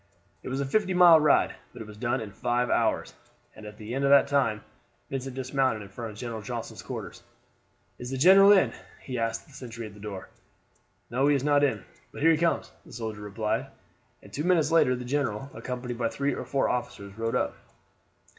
It was a fifty mile ride; but it was done in five hours, and at the end of that time Vincent dismounted in front of General Johnston's quarters. "Is the general in?" he asked the sentry at the door. "No, he is not in; but here he comes," the soldier replied, and two minutes later the general, accompanied by three or four officers, rode up.